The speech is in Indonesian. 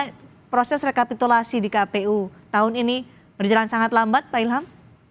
bagaimana proses rekapitulasi di kpu tahun ini berjalan sangat lambat pak ilham